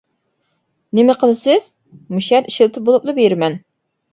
— نېمە قىلىسىز؟ — مۇشۇ يەردە ئىشلىتىپ بولۇپلا بېرىمەن.